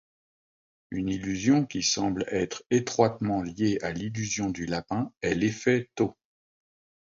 Une illusion qui semble être étroitement liée à l'illusion du lapin est l'effet tau.